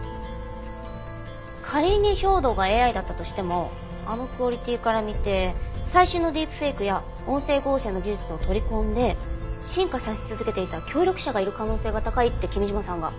仮に兵働がＡＩだったとしてもあのクオリティーから見て最新のディープフェイクや音声合成の技術を取り込んで進化させ続けていた協力者がいる可能性が高いって君嶋さんが。